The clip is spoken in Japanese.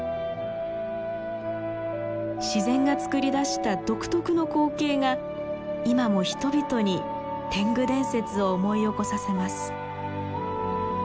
自然がつくり出した独特の光景が今も人々に天狗伝説を思い起こさせます。